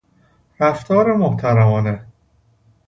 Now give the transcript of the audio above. رفتار محترمانه